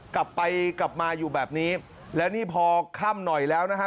กลับไปกลับมาอยู่แบบนี้แล้วนี่พอค่ำหน่อยแล้วนะฮะ